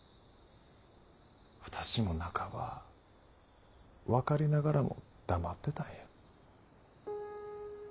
私も半ば分かりながらも黙ってたんや。